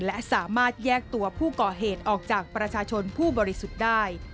และสามารถแยกตัวผู้ก่อเหตุออกจากประชาชนผู้บริสุทธิ์ได้